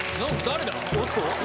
誰だ？